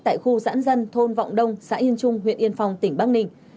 tại khu giãn dân thôn vọng đông xã yên trung huyện yên phong tỉnh bắc ninh